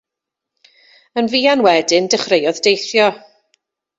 Yn fuan wedyn, dechreuodd deithio.